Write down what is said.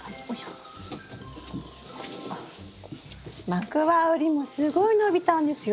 マクワウリもすごい伸びたんですよ。